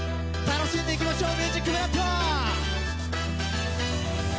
楽しんで行きましょう